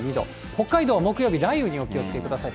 北海道は木曜日、雷雨にお気をつけください。